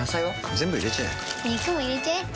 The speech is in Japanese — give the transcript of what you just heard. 全部入れちゃえ肉も入れちゃえ